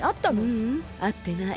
ううん。あってない。